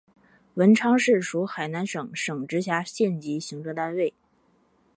文昌市属海南省省直辖县级行政单位。